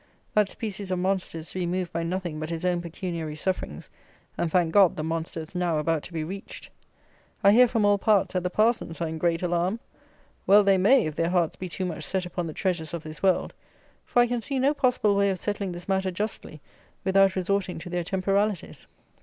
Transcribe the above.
That species of monster is to be moved by nothing but his own pecuniary sufferings; and, thank God, the monster is now about to be reached. I hear, from all parts, that the parsons are in great alarm! Well they may, if their hearts be too much set upon the treasures of this world; for I can see no possible way of settling this matter justly, without resorting to their temporalities.